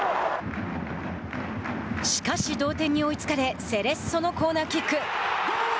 しかし、同点に追いつかれセレッソのコーナーキック。